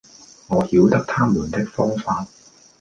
我曉得他們的方法，